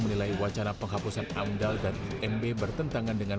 menilai wacana penghapusan amdal dan imb bertentangan dengan